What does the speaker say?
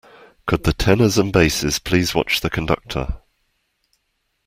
Could the tenors and basses please watch the conductor?